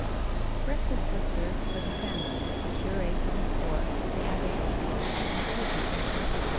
Breakfast was served for the family, the cur6 from Yport, the Abbe Picot, and the witnesses.